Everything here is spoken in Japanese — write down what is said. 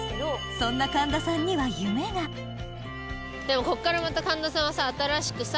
そんな神田さんには夢がでもこっからまた神田さんはさ新しくさ。